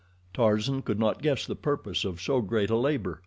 Tarzan could not guess the purpose of so great a labor.